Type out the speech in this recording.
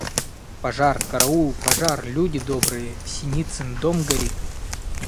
Пожар! Караул! Пожар, люди добрые, Синицин дом горит!